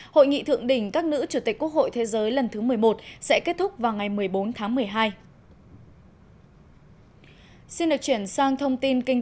hội nghị thượng đỉnh các nữ chủ tịch quốc hội thế giới lần thứ một mươi một sẽ kết thúc vào ngày một mươi bốn tháng một mươi hai